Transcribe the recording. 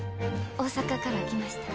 大阪から来ました。